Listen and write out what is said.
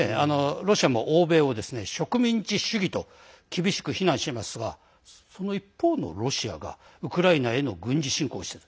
ロシアも欧米を植民地主義と厳しく非難していますがその一方のロシアはウクライナへの軍事侵攻をしている。